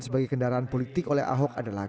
sebagai kendaraan politik oleh ahok adalah